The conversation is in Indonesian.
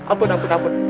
ampun ampun ampun